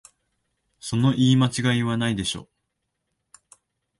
その言い間違いはないでしょ